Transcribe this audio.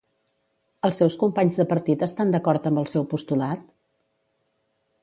Els seus companys de partit estan d'acord amb el seu postulat?